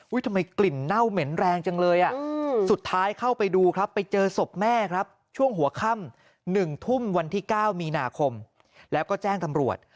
ทำไมกลิ่นเน่าเหม็นแรงจังเลยอ่ะสุดท้ายเข้าไปดูครับไปเจอศพแม่ครับช่วงหัวค่ำ๑ทุ่มวันที่๙มีนาคมแล้วก็แจ้งตำรวจ